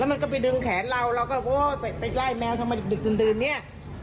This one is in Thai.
แล้วมันก็ไปดึงแขนเราเราก็โอ๊ยไปไล่แมวทำไมดึกนี่